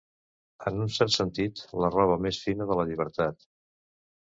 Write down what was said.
En un cert sentit, la roba més fina de la llibertat.